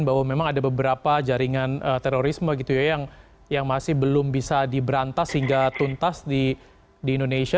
bahwa memang ada beberapa jaringan terorisme gitu ya yang masih belum bisa diberantas hingga tuntas di indonesia